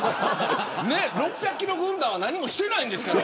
６００キロ軍団は何もしてないんですから。